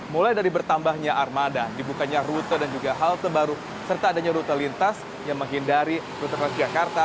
mulai dari bertambahnya armada dibukanya rute dan juga halte baru serta adanya rute lintas yang menghindari rute transjakarta